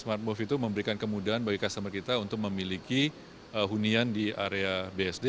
smartbove itu memberikan kemudahan bagi customer kita untuk memiliki hunian di area bsd